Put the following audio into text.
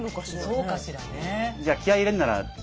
そうかしらね。